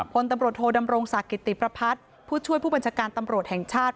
พลตำรวจโทดำรงศักดิ์กิติประพัฒน์ผู้ช่วยผู้บัญชาการตำรวจแห่งชาติ